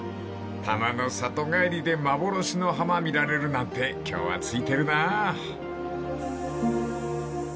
［たまの里帰りで幻の浜見られるなんて今日はついてるな］